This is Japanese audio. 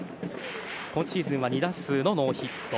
今シーズンは２打数のノーヒット。